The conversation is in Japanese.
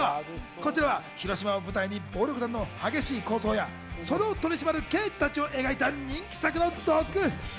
こちらは広島を舞台に暴力団の激しい抗争や、それを取り締まる刑事たちを描いた人気作の続編。